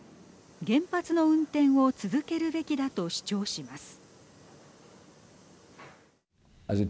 原発の運転を続けるべきだと主張します。